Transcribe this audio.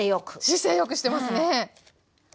姿勢良くしてますね。